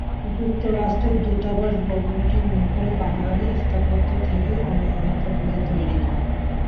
যুক্তরাষ্ট্রের দূতাবাস ভবনটি মুঘল বাঙ্গালী স্থাপত্য থেকে অনুপ্রাণিত হয়ে তৈরি।